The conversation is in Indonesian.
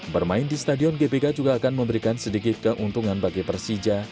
bermain di stadion gbk juga akan memberikan sedikit keuntungan bagi persija